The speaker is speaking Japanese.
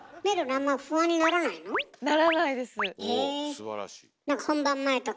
すばらしい。